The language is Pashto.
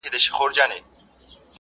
«پت» پلورونکي په دوو ډلو وېشل سوي وې